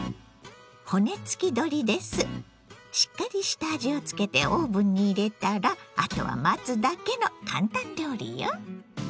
しっかり下味をつけてオーブンに入れたらあとは待つだけのカンタン料理よ。